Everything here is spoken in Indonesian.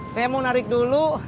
saya mau narik dulu